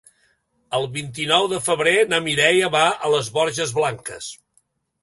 El vint-i-nou de febrer na Mireia va a les Borges Blanques.